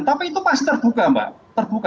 tapi itu pasti terbuka mbak terbuka